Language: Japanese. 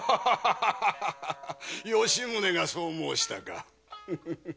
吉宗がそう申したか。